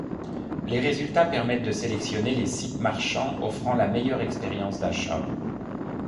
Les résultats permettent de sélectionner les sites marchands offrant la meilleure expérience d’achat.